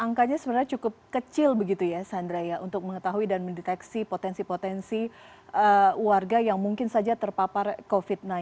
angkanya sebenarnya cukup kecil begitu ya sandra ya untuk mengetahui dan mendeteksi potensi potensi warga yang mungkin saja terpapar covid sembilan belas